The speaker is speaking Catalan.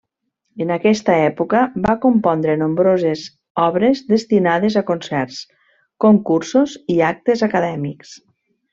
En aquesta època va compondre nombroses obres destinades a concerts, concursos i actes acadèmics.